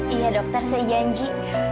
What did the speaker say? iya dokter saya janji